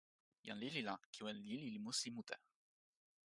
jan lili la, kiwen lili li musi mute.